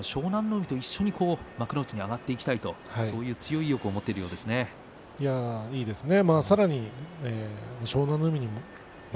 海と一緒に幕内に上がっていきたいという強い意識を持っているようですね。